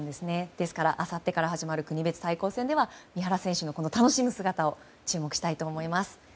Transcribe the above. ですから、あさってから始まる国別対抗戦では三原選手の楽しむ姿を注目したいと思います。